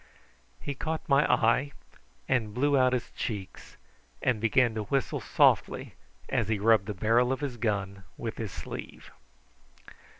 He caught my eye and blew out his cheeks, and began to whistle softly as he rubbed the barrel of his gun with his sleeve.